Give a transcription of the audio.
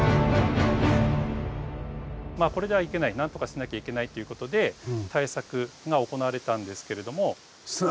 まあこれではいけない何とかしなきゃいけないということで対策が行われたんですけれども。